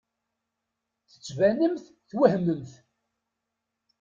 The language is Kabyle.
Tettbanemt twehmemt.